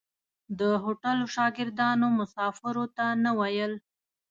د هوټلو شاګردانو مسافرو ته نه ویل.